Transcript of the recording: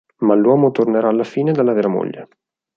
Ma l'uomo tornerà alla fine dalla vera moglie.